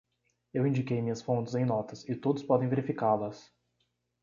Eu indiquei minhas fontes em notas, e todos podem verificá-las.